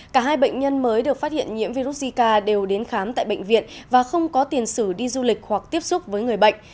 cả hai bệnh nhân mới được phát hiện nhiễm virus zika đều đến khám tại bệnh viện và không có tiền sử đi du lịch hoặc tiếp xúc với người bệnh